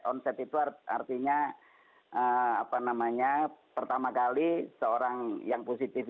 onset itu artinya apa namanya pertama kali seorang yang positif itu